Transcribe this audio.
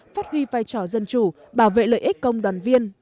phát huy vai trò dân chủ bảo vệ lợi ích công đoàn viên